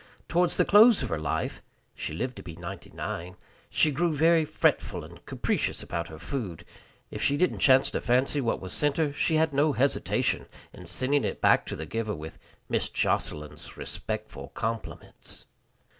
Towards the close of her life she lived to be ninety nine she grew very fretful and capricious about her food. If she didn't chance to fancy what was sent her, she had no hesitation in sending it back to the giver with "Miss Jocelyn's respectful compliments."